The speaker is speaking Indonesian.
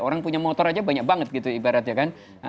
orang punya motor aja banyak banget gitu ibaratnya kan